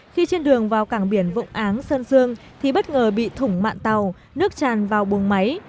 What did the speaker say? khi trên đường vào cảng biển vụng áng sơn dương thì bất ngờ bị thủng mạn tàu nước tràn vào bùng máy